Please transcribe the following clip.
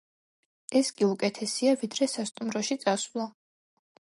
ეს კი უკეთესია, ვიდრე სასტუმროში წასვლა.